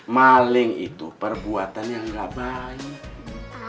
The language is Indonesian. maling itu perbuatan yang gak baik